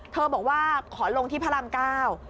เธอบอกว่าขอลงที่พระรำก้าว